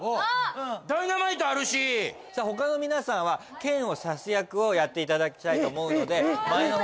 ダイナマイトあるしさあ他の皆さんは剣を刺す役をやっていただきたいと思うのでえっ